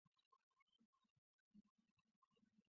后改任国务院发展研究中心欧亚社会发展研究所所长。